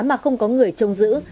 mà không có người trông giữ